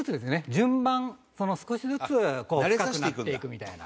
順番少しずつ深くなっていくみたいな。